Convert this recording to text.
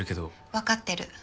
わかってる。